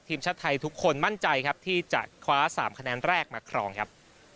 ทีมชาติไทยทุกคนมั่นใจครับที่จะคว้า๓คะแนนแรกมาครองครับ